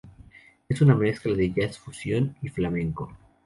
Es una mezcla de Jazz fusión y flamenco.